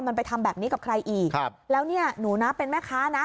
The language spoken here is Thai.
มันไปทำแบบนี้กับใครอีกครับแล้วเนี่ยหนูนะเป็นแม่ค้านะ